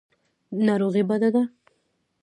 ناروغي بده ده.